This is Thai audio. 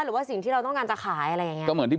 หรือว่าสิ่งที่เราต้องการจะขายอะไรอย่างนี้